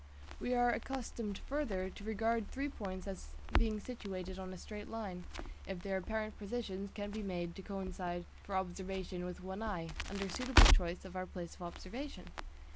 We are accustomed further to regard three points as being situated on a straight line, if their apparent positions can be made to coincide for observation with one eye, under suitable choice of our place of observation.